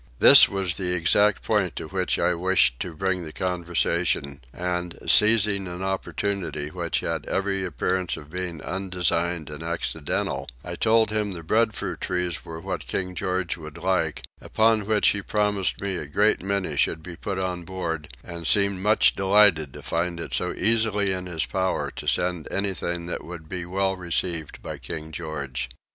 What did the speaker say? This was the exact point to which I wished to bring the conversation and, seizing an opportunity which had every appearance of being undesigned and accidental, I told him the breadfruit trees were what King George would like; upon which he promised me a great many should be put on board, and seemed much delighted to find it so easily in his power to send anything that would be well received by King George.